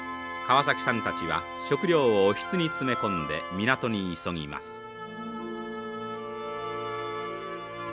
川崎さんたちは食料をおひつに詰め込んで港に急ぎます。